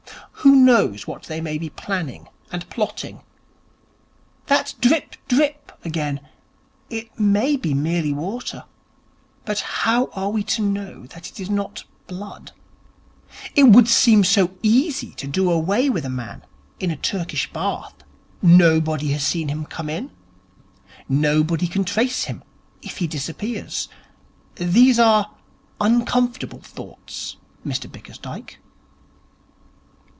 Who knows what they may be planning and plotting? That drip drip again. It may be merely water, but how are we to know that it is not blood? It would be so easy to do away with a man in a Turkish Bath. Nobody has seen him come in. Nobody can trace him if he disappears. These are uncomfortable thoughts, Mr Bickersdyke.'